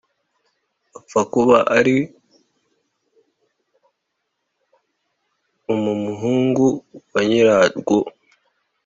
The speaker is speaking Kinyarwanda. Apfa kuba ari umumhungu wa nyirarwo